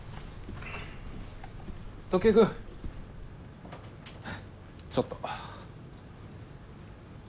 時江君ちょっと。